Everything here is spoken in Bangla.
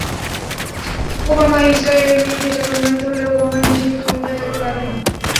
ওবামা ইসরায়েলের বিরুদ্ধে, এটা প্রমাণিত হলে ওবামা নিজেই ক্ষমতায় থাকতে পারবেন না।